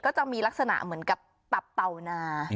ก็จะมีลักษณะเหมือนกับตับเต่านา